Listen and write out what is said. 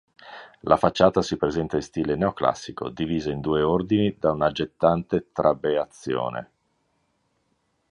La facciata si presenta in stile neoclassico divisa in due ordini da un'aggettante trabeazione.